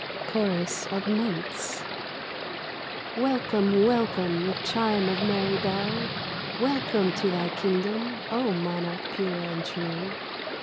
CHORUS OF MONTHS. Welcome, welcome, with chime of merry bell, Welcome to thy kingdom, O monarch pure and true!